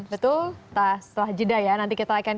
betul setelah jeda ya nanti kita akan